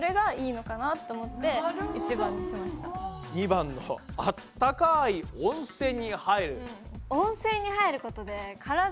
２番の「あったかい温泉に入る」。